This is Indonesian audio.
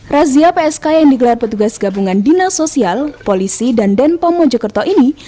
razia psk yang digelar petugas gabungan dinas sosial polisi dan denpom mojokerto ini